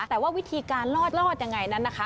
แต่ว่าวิธีการลอดลอดยังไงนะคะ